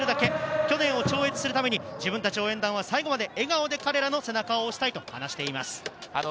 去年を超越するために自分たち応援団は最後まで笑顔で彼らの背中を押したいと話しています。